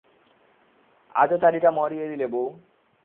আজও চারটিা মাড়িয়ে দিলে বৌ!